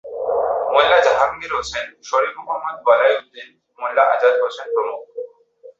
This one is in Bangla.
মোল্লা জাহাঙ্গীর হোসেন, শরীফ মোহাম্মদ বলাই উদ্দিন, মোল্লা আজাদ হোসেন প্রমূখ।